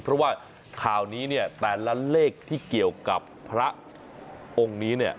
เพราะว่าข่าวนี้เนี่ยแต่ละเลขที่เกี่ยวกับพระองค์นี้เนี่ย